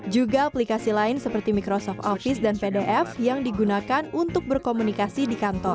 juga aplikasi lain seperti microsoft office dan pdf yang digunakan untuk berkomunikasi di kantor